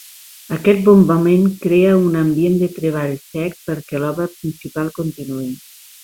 Aquest bombament crea un ambient de treball sec perquè l'obra principal continuï.